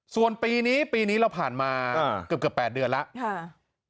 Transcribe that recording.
ส่วนปีนี้ปีนี้เราผ่านมาเกือบ๘เดือนแล้ว